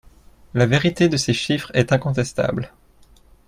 La vérité de ces chiffres est incontestable.